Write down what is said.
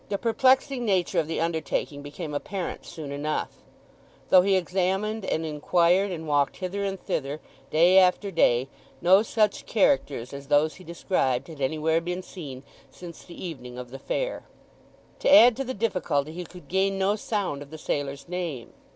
The perplexing nature of the undertaking became apparent soon enough. Though he examined and inquired, and walked hither and thither day after day, no such characters as those he described had anywhere been seen since the evening of the fair. To add to the difficulty he could gain no sound of the sailor's name.